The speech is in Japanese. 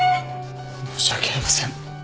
申し訳ありません。